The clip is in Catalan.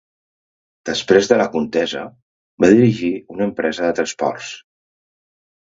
Després de la contesa va dirigir una empresa de transports.